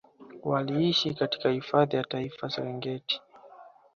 Waliishi katika hifadhi ya Taifa ya Serengeti